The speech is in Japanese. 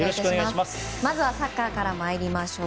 まずはサッカーから参りましょう。